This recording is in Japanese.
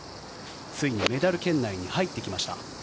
ついにメダル圏内に入ってきました。